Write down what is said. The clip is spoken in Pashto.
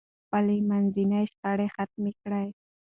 خپل منځي شخړې ختمې کړئ.